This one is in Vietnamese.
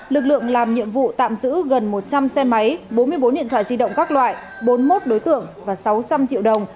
lực lượng làm nhiệm vụ tạm giữ gần một trăm linh xe máy bốn mươi bốn điện thoại di động các loại bốn mươi một đối tượng và sáu trăm linh triệu đồng